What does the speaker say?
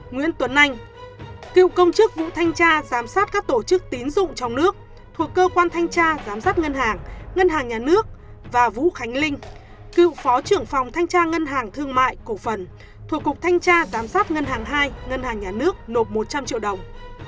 nguyễn tuấn anh cựu công chức vụ thanh tra giám sát các tổ chức tín dụng trong nước thuộc cơ quan thanh tra giám sát ngân hàng ngân hàng nhà nước và vũ khánh linh cựu phó trưởng phòng thanh tra ngân hàng thương mại cổ phần thuộc cục thanh tra giám sát ngân hàng hai ngân hàng nhà nước nộp một trăm linh triệu đồng